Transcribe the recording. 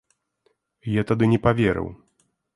Я тады не паверыў.